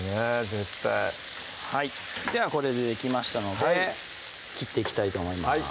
絶対ではこれでできましたので切っていきたいと思います